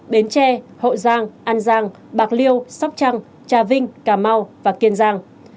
bến tre hậu giang an giang bạc liêu sóc trăng trà vinh cà mau và kiên giang